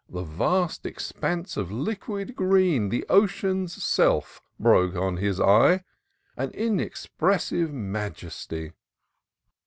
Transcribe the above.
The vast expanse of liquid green. The ocean's self — broke on his eye. In mexpressive majesty.